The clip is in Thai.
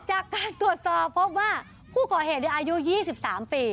จากการตรวจสอบพบว่าผู้ก่อเหตุอายุ๒๓ปี